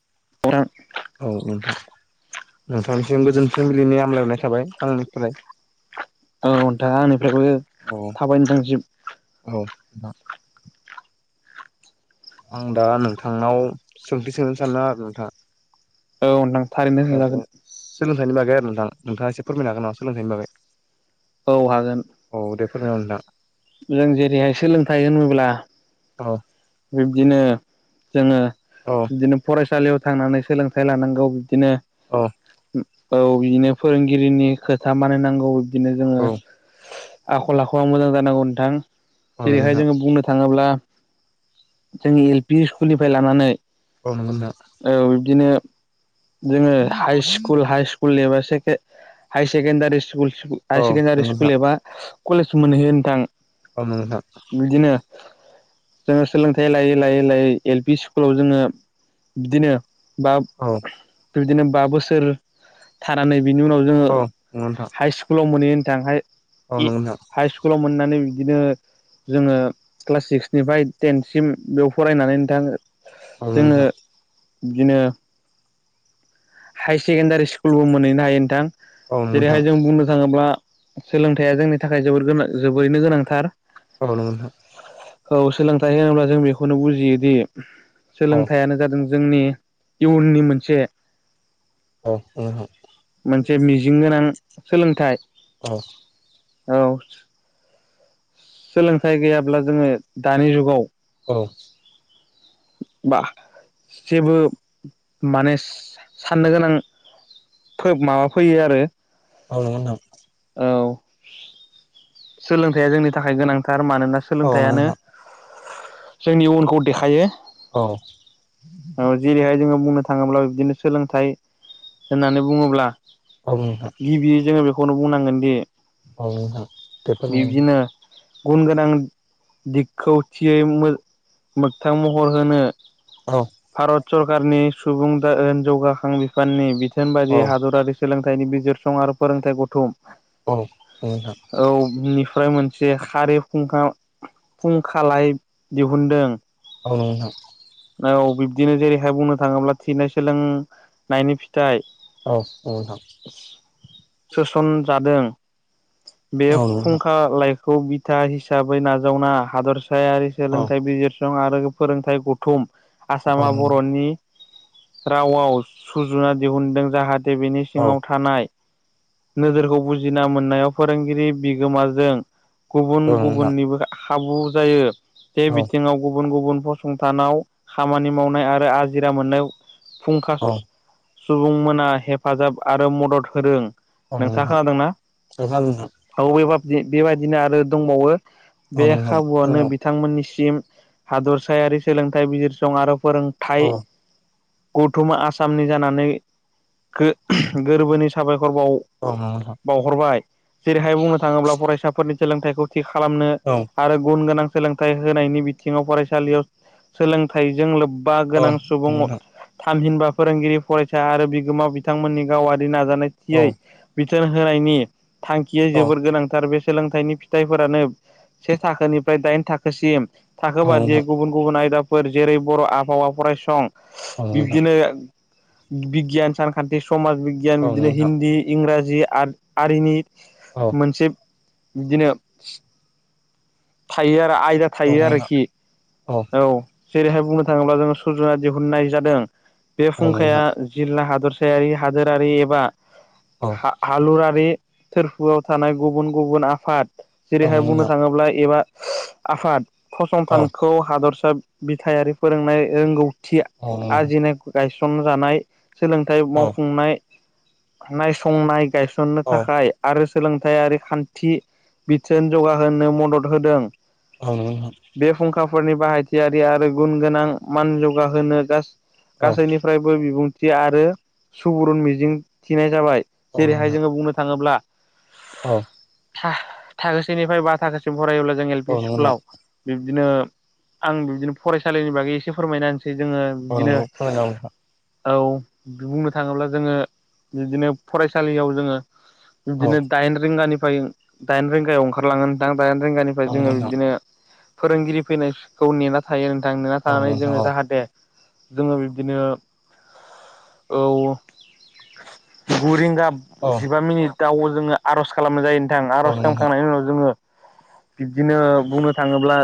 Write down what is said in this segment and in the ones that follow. [unintelligible] औ नोंथां नोंथांनिसिम गोजोन फुंबिलिनि आमलाय हरनाय थाबाय आंनिफ्राय औ नोंथां आंनिफ्रायबो औ थाबाय नोंथांनिसिम [inaudible] आं दा नोंथांनाव सोंथि सोंनो सानदों आरो नोंथाङा औ नोंथां थारैनो सोंजागोन नि बागै आरो नोंथां नोंथाङा एसे फोरमायनो हागोन नामा सोलोंथाइनि बागै औ हागोन [unintelligible] जों जेरैहाय सोलोंथाइ होनोब्ला अ बिब्दिनो जोङो बिदिनो फरायसालियाव थांनानै सोलोंथाइ लानांगौ बिबदिनो अ औ बिदिनो फोरोंगिरिनि खोथा मानायनांगौ बिबदिनो जोङो आखल आखुआ मोजां जानांगौ नोंथां जेरैहाय नोंथां जोङो बुंनो थाङोब्ला जोंनि एल पि स्कुलनिफ्राय लानानै औ नोगौ नोंथां बिदिनो जोङो हाइ सकुल हाइ स्कुल एबा high secondary school higher secondary school एबा कलेज मोनहैयो नोंथां बिदिनो जोङो सोलोंथाइ लायै लायै लायै एल पि स्कुलाव जोङो बिदिनो बा औ बिबदिनो बा बोसोर थानानै बिनि उनाव जोङो औ औ नंगौ नोंथां हाइस्कुलाव मोनहैयो होनथां औ नंगौ नोंथां हाइ स्कुलाव मोननानै बिदिनो जोङो क्लास सिक्सनिफ्राय टेनसिम बेयाव फरायनानै नोंथा आरो नोंथां बिदिनो हायार सेकेण्डारि स्कुलबो मोनहैनो हायो नोंथां नोंथां जेरैहाय जों बुंनो थाङोब्ला सोलोंथाइया जोंनि थाखाय जोबोर गोनां जोबोरैनो गोनांथार औ नंगौ नोंथां औ सोलोंथाइ होनोब्ला जों बेखौनो बुजियोदि औ सोलोंथाइयानो जादों जोंनि इयुननि मोनसे औ नंगौ नोंथां मोनसे मिजिं गोनां सोलोंथाइ। औ औ सोलोंथाइ गैयाब्ला जोङो दानि जुगाव औ बा जेबो माने साननो गोनां माबा फैयो आरो। औ नोंखौ नोंथां औ सोलोंथाइया जोंनि थाखाय गोनांथार मानोना औ नंगौ सोलोंथाइयानो नोंथां जोंनि इउनखौ देखायो औ औ जेरैहाय जोङो बुंनो थाङोब्ला बिदिनो सोलोंथाइ होननानै बुङोब्ला नंगौ नोंथां गिबि जोङो बेखौनो बुंनांगोन दि औ नोंथां बेफोर नोंथां बिबदिनो गुन गोनां दिखौ थियै मोगथां महर होनो औ भारत सरकारनि सुबुं जौगाखां बिफाननि बिथोन बायदि औ हादरारि सोलों थाइबिजिरसं आरो फोरोंथाइ गौथुम औ नोंथां औ बेनिफ्राय मोनसे ज खारै फुंखा फुंखालाय दिहुुनदों। औ नोंथां औ बिब्दिनो जेरैहाय बुंनो थाङोब्ला थिनाय सोलोंनायनि फिथाइ औ नोंथां सोसन जादों बे औ नोंथां फुंखालायखौ बिथा हिसाबै नाजावना हादरसा यारि औ सोलोंथाइ बिजिरसं आरो फोरोंथाइ गौथुम आसामा बर'नि रावआव सुजुना दिहुनदों जाहाथे बेनि औ सिङाव थानाय नोजोरखौ बुजिना मोननायाव फोरोंगिरि बिगोमाजों गुबुन औ नोंथां गुबुननिबो खाबु जायो बे औ औ नोंथां औ नोंथां बिथिङाव गुबुन गुबुन फसं थानाव खामानि मावनाय आरो आजिरा मोननाय फुंखा औ सुबुंमोना हेफाजाब आरो मदद होदों। औ नोंथाङा नोंथां खोनादोंना औ बेे बेबायदिनो आरो दंबावो औ नोंथां औ नोंथां औ नोंथां बे औ नोंथां खाबुआनो बिथांमोननि हादरसायारि सोलोंथाइ बिजिरसं आरो फोरोंथाइ औ गौथुमा आसामनि जानानै गोरबोनि साबायखर औ नोंथां औ नोंथां औ नोंथां औ नोंथां औ नोंथां औ नोंथां औ हरबाय जेरैहाय बुंनो थाङोब्ला फरायसाफोरनि सोलोंथाइखौ खालामनो आरो गुन गोनां सोलोंथाइ होनायनि बिथिङाव फरायसालियाव सोलोंथाइजों लोब्बा गोनां सुबुं थामहिनबा फोरोंगिरि फरायसा आरो बिगोमा बिथांमोननि गावारि नाजानाय थियै बिथोन होनायनि थांखिया जोबोर गोनांथार बे सोलोंथाइनि फिथाइफोरानो से थाखोनिफ्राय दाइन थाखोसिम थाखो बादियै गुबुन गुबुन आयदाफोर जेरै बर' आबहावा फरायसं बिब्दिनो बिगियान सानखान्थि समाज बिगियान बिदिनो हिन्दी इंराजि आरिनि मोनसे बिदिनो थायो आरो आयदा थायो आरोखि औ जेरैहाय बुंनो थाङोब्ला जोङो सुजुना दिहुननाय जादों बे फुंखाया जिल्ला हादरसायारि हादोरारि एबा हालुरारि थोरफोआव थानाय गुबुन गुबुन आफाद जेरैहाय बुंनो थाङोब्ला एबा आफाद फसंथानखौ हादर सा बिथायारि फोरोंनाय रोंगौथि आरजिनाय गायसनजानाय सोलोंथाइ मावफुंनाय नायसंनाय गायसननो थाखाय आरो सोलोंथाइयारि खान्थि बिथोन जौगाहोनो मदद होदों बे फुंखाफोरनि बाहाय थियारि आरो गुन गोनां मान जौगाहोनो गासैनिफ्रायबो बिबुंथि आरो सुबुरुन मिजिं थिनाय जाबाय जेरैहाय जोङो बुंनो थाङोब्ला औ थाखोसेनिफ्राय बा थाखोसिम फरायोब्ला जों एल पि नोंथां औ स्कुलाव बिब्दिनो आं बिबदिनो फरायसालिनि बागै एसे फोरमायना होनसै जोङो बिदिनो नोंगौ फोरमायना होदों नोंथां औ बुंनो थाङोब्ला जोङो बिदिनो फरायसालियाव जोङो औ बिदिनो दाइन रिंगानिफ्राय दाइन रिंगायाव ओंखारलाङो नोंथां गानिफ्राय औ नंगौ जोङो बिदिनो फोरोंगिरि फैनायखौ नेना थायो नों- थां नेना थानानै नोंथां औ नंगौ नोंथां जोङो औ जाहाथे जोङो बिब्दिनो औ गु रिंगा औ जिबा मिनिटाव जोङो आर'ज खालामनाय जायो नोंथां औ आर'ज नंगौ नोंथां खालामखांनायनि उनाव जोङो बिदिनो बुंनो थाङोब्ला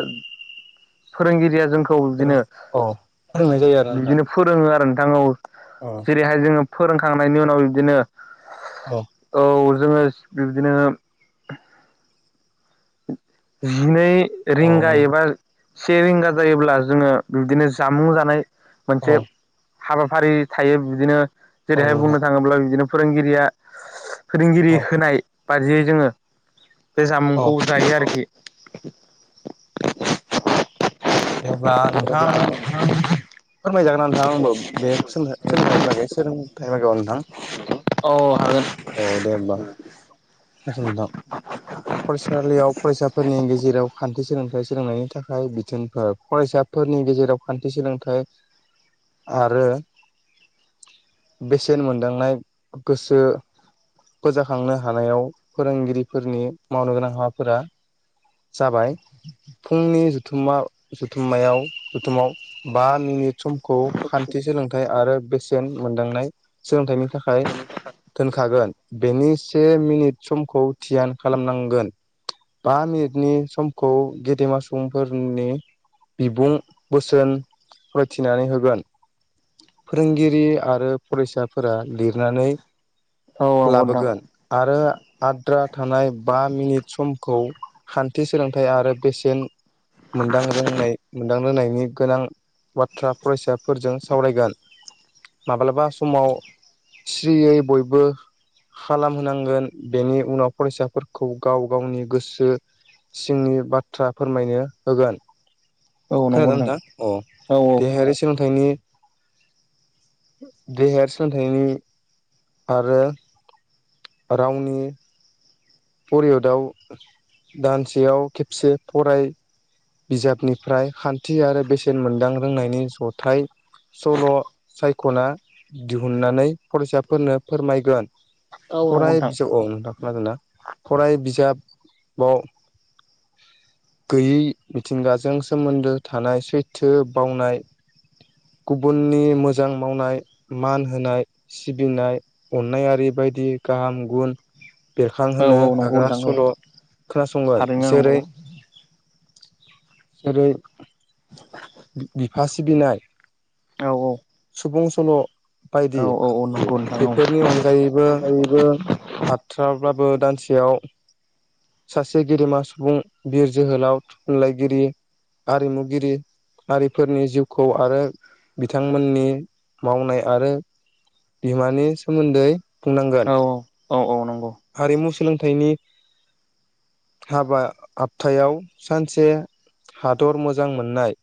फोरोंगिरिया जों खौ फोरों बिदिनो औ फोरोंनाय जायो आरो नोंथां बिदिनो फोरोङो आरो नोंथां औ औ जेरैहाय जोङो फोरोंखांनायनि उनाव बिदिनो औ जोङो बिब्दिनो जिनै औ रिंगा एबा से रिंगा जायोब्ला जोङो बिदिनो जामुं जानाय औ मोनसे हाबाफारि थायो बिदिनो औ जेरैहाय नंगौ नोंथां बुंनो थाङोब्ला बिदिनो फोरोंगिरिया फोरोंगिरि औ होनाय बादियै जोङो बे औ जामुंखौ जायो आरोखि दे अब्ला [unintelligible] जागोनना नोंथां होमबा बे सोलोंथनि बागै बै सोलोंथाइयाव अ औ दे होमबा [unintelligible] फरायसालियाव फरायसाफोरनि गेजेराव खान्थि सोलोंथाइ सोलोंनायनि थाखाय बिथोनफोर फरायसाफोरनि गेजेराव खान्थि सोलोंथाइ आरो बेसेन मोनदांनाय गोसो फोजाखांनो हानायाव फोरोंगिरिफोरनि मावनो गोनां हाबाफोरा जाबाय फुंनि जुथुमा जुथुमायाव जुथुमाव नि समखौ खान्थि सोलोंथाइ आरो बेसेन मोन्दांनाय सोलोंथाइनि थाखाय दोनखागोन बेनि से मिनिट समखौ धियान‌ खालामनांगोन बा मिनिटनि सम खौ गेदेमा सुबुंफोरनि बिबुं बोसोन फरायथिनानै होगोन फोरोंगिरि आरो फरायसाफोरा लिरनानै हागोन लाबोगोन आरो आद्रा थानाय बा मिनिट समखौ खान्थि सोलोंथाइ आरो बेसेन मोनदां रोंनाय मोनदां रोंनायनि गोनां बाथ्रा फरायसाफोरजों सावरायगोन माब्लाबा समाव स्रियै बयबो खालामहोनांगोन बेनि उनाव फरायसाफोरखौ गाव गावनि गोसो सिंनि बाथ्रा फोरमायनो होगोन। औ नंगौ नोंथां। औ औ देहायारि सोलोंथाइनि देहायारि सोलोंथाइनि आरो रावनि परियदआव दानसेयाव खेबसे फराय बिजाबनिफ्राय खान्थि आरो बेसेन मोनदां रोंनायनि जथाय सल' सायख'ना दिहुननानै फरायसाफोरनो फोरमायगोन। नंगौ फराय नोंथां बिजाबआव औ नोंथां खोनादों ना? फराय बिजाबाव गैयै मिथिंगाजों सोमोन्दो थानाय सैथो बावनाय गुबुननि मोजां मावनाय मान होनाय सिबिनाय अननाय आरि बेबायदि गाहाम गुन औ बेरखांहोनो औ नंगौ हाग्रा नोंथां औ नंगौ नोंथां औ सल' खोनासंगोन थारैनो जेरै नंगौ जेरै बिफा सिबिनाय औ औ सुबुं सल' बायदि औ औ नंगौ नोंथां औ बेफोरनि अनगायैबो अनगायैबो हाथाराब्लाबो दानसेयाव सासे गेदेमा सुबुं बिर जोहोलाव थुनलाइगिरि आरिमुगिरि हारिफोरनि जिउखौ आरो बिथांमोननि मावनाय आरो बिमानि सोमोन्दै बुंनांगोन औ औ औ नंगौ हारिमु सोलोंथाइनि हाबा हाबथायाव सानसे हादर मोजां मोननाय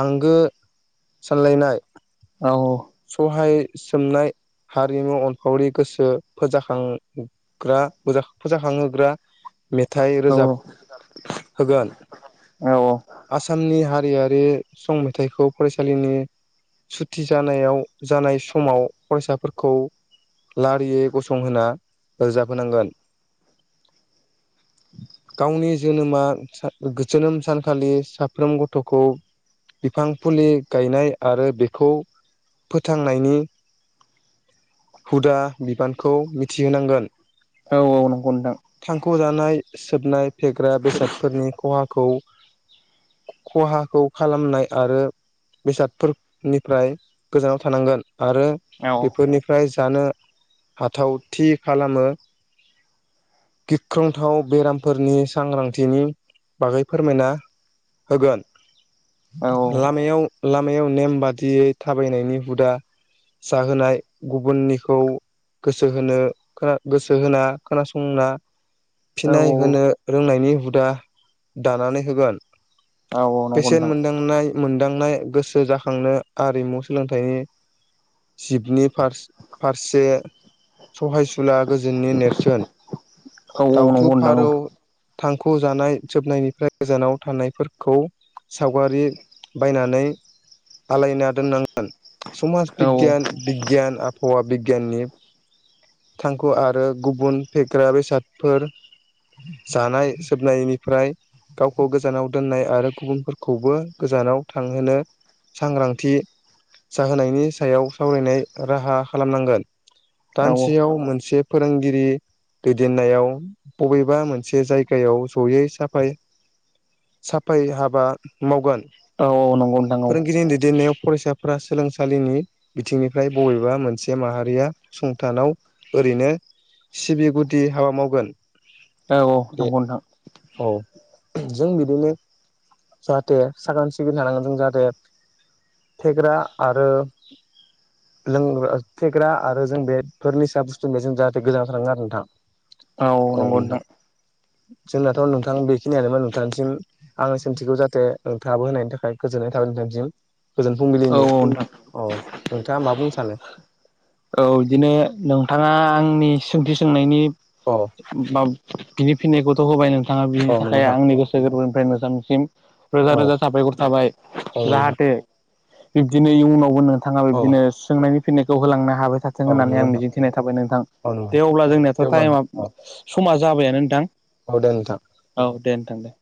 आंगो सानलायनाय औ सहाय सोमनाय हारिमु अनफावरि गोसो फोजाखांग्रा फोजाखांहोग्रा मेथाइ औ रोजाब होगोन आसामनि हारिया बे‌ संमेथाइखौ फरायसालिनि सुथि जा नायाव‌ जानाय समाव फरायसाफोरखौ लारियै गसंहोना रोजाबहोनांगोन गावनि जोनोमा जोनोम सानखालि साफ्रोम गथ'खौ बिफां फुलि गायनाय आरो बेखौ फोथांनायनि हुदा बिबानखौ मिथिहोनांगोन। औ औ नंगौ नोंथां थांखु जानाय सोबनाय फेग्रा बेसादफोरनि खहा खौ खहाखौ खालामनाय आरो बेसादफोरनिफ्राय गोजानाव थानांगोन आरो औ नंगौ नोंथां औ नंगौ नोंथां औ बेफोरनिफ्राय जानो हाथाव थि खालामो गिख्रंथाव बेरामफोरनि सांग्रांथिनि बागै फोरमायना होगोन लामायाव लामायाव नेम बादियै थाबायनायनि हुदा जाहोनाय गुबुननिखौ गोसो होनो गोसो होना खोनासंना फिनाय औ होनो रोंनायनि हुदा दानानै होगोन औ नंगौ पेसेन्ट मोनदांनाय मोन दांनाय गोसो जाखांनो आरिमु सोलोंथाइनि जिबनि फारसे सहायसुला गोजोननि नेरसोन दाउथु नोंथां फारौ थांखु जानाय जोबनायनिफ्राय गोजानाव थानायफोरखौ सावगारि बायनानै आलायना दोननांगोन समाज बिगियान बिगियान आबहावा बि बिगियाननि थांखु आरो गुबुन फेग्रा बेसादफोर जानाय बि सोबनायनिफ्राय गावखौ गोजानाव दोननाय आरो गुबुनफोरखौबो गोजानाव थांहोनो सांग्रांथि जाहोनायनि सायाव सावरायनाय राहा खालामनांगोन दानसेयाव मोनसे फोरोंगिरि दैदेननायाव बबेबा मोनसे जायगायाव जयै साफाय साफाय हाबा मावगोन औ औ नंगौ नोंथां औ फोरोंगिरिनि दैदेननायाव फरायसाफोरा सोलोंसालिनि बिथिंनिफ्राय बबेबा मोनसे माहारिया फसंथानाव ओरैनो सिबि गुदि हाबा मावगोन औ औ बे नंगौ नोंथां औ जों बिदिनो जाहाथे साखोन सिखोन थानांगोन जों जाहाथे फेग्रा आरो लोंग्रा फेग्रा आरो जों बेफोर निचा बुस्थुनि जों जाहाथे गोजानाव थानांगो आरो नोंथाङा औ नोंथां जोंनाथ नोंथां बेखिनियानो मोन नोंथां थांनिसिम आंनि सोंथिखौ जाहाथे नोंथाङाबो होनायनि थाखाय गोजोननाय थाबाय नोंथांनिसिम गोजोन औ फुंबिलिनि नोंथां औ नोंथाङा मा बुंनो सानो औ बिदिनो नोंथाङा आं आंनि सोंथि सोंनायनि अ बा बिनि फिननायखौथ होबाय नों थाङा औ बिनि नंगौ थाखाय नोंथां आंनि गोसो गोरबोनिफ्राय नोथांनिसिम रोजा औ रोजा साबायखर थाबाय औ नंगौ नोंथां जाहाथे बिब्दिनो इयुनावबो नोंथाङा औ बिब्दिनो सोंनायनि फिनायखौ होलांनो हागोन हाबाय थाथों औ नंगौ होननानै आं नोंथां मिजिंथिनाय थाबाय नोंथां औ दे नंगौ अब्ला जोंनियाथ दे अब्ला टाइम नोंथां औ सम जाबायानो नोंथां औ दे नोंथां औ दे नोंथां दे